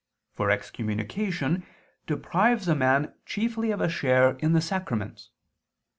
For excommunication deprives a man chiefly of a share in the sacraments.